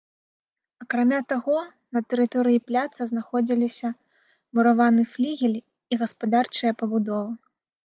Акрамя таго, на тэрыторыі пляца знаходзіліся мураваны флігель і гаспадарчыя пабудовы.